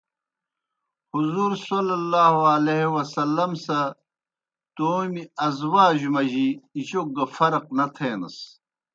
حضورﷺ سہ تومیْ ازواجو مجی جوک گہ فرق نہ تھینَس۔